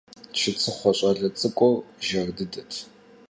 ЧыцӀыхъуэ щӀалэ цӀыкӀур жэр дыдэт.